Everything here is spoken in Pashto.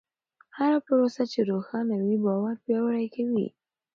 هره پروسه چې روښانه وي، باور پیاوړی کوي.